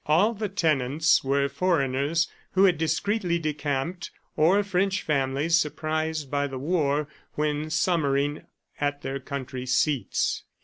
All the tenants were foreigners, who had discreetly decamped, or French families surprised by the war when summering at their country seats.